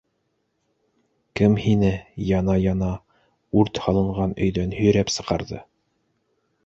Кем һине, яна-яна, үрт һалынған өйҙән һөйрәп сығарҙы?!